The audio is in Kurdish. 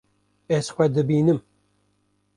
Ez xwe dibînim.